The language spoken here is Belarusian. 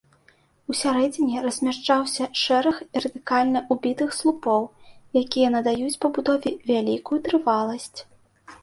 У сярэдзіне размяшчаўся шэраг вертыкальна ўбітых слупоў, якія надаюць пабудове вялікую трываласць.